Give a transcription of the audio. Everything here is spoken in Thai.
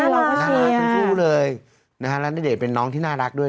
น่ารักทั้งคู่เลยนะฮะแล้วณเดชน์เป็นน้องที่น่ารักด้วย